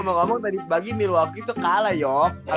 kalau ngomong bagai milowak itu kalah yoko